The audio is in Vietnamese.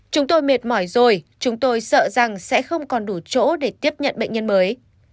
chúng tôi mệt mỏi rồi chúng tôi sợ rằng sẽ không còn đủ chỗ để tiếp nhận bệnh nhân mới